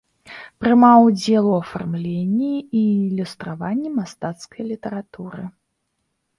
Прымаў удзел у афармленні і ілюстраванні мастацкай літаратуры.